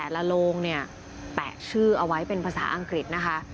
โรงเนี่ยแปะชื่อเอาไว้เป็นภาษาอังกฤษนะคะ